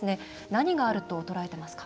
何があると捉えてますか？